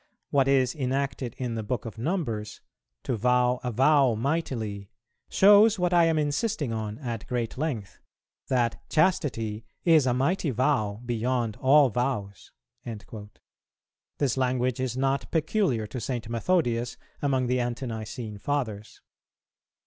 What is enacted in the Book of Numbers, 'to vow a vow mightily,' shows what I am insisting on at great length, that Chastity is a mighty vow beyond all vows."[409:1] This language is not peculiar to St. Methodius among the Ante nicene Fathers.